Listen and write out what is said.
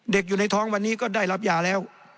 อยู่ในท้องวันนี้ก็ได้รับยาแล้ว